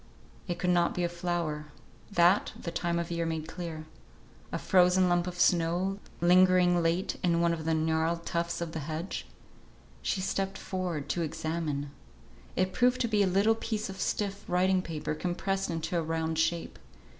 It could not be a flower; that, the time of year made clear. A frozen lump of snow, lingering late in one of the gnarled tufts of the hedge? She stepped forward to examine. It proved to be a little piece of stiff writing paper compressed into a round shape.